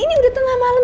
ini udah tengah malem